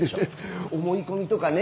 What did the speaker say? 思い込みとかね。